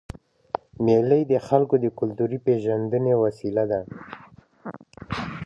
مېلې د خلکو د کلتوري پېژندني وسیله ده.